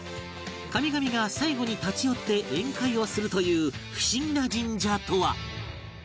神々が最後に立ち寄って宴会をするという不思議な神社とは？